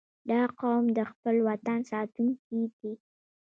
• دا قوم د خپل وطن ساتونکي دي.